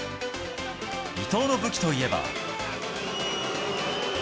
伊東の武器といえば。